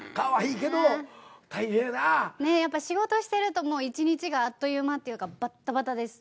ねっやっぱ仕事してると１日があっという間というかバッタバタです。